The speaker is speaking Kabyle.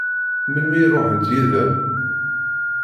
Melmi i ṛuḥent yid-m?